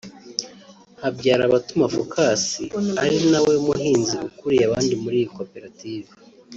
Habyarabatuma Phocas ari nawe muhinzi ukuriye abandi muri iyi koperative